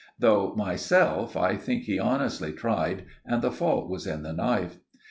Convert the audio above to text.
Though myself, I think he honestly tried and the fault was in the knife.